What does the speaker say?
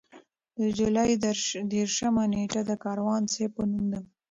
د جولای دېرشمه نېټه د کاروان صیب په نوم ده.